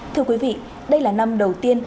thưa quý vị đây là năm đầu tiên